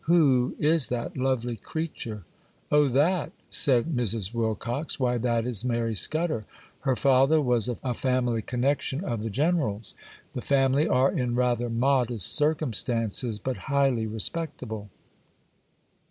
'Who is that lovely creature?' 'Oh, that,' said Mrs. Wilcox,—'why, that is Mary Scudder. Her father was a family connection of the General's. The family are in rather modest circumstances, but highly respectable.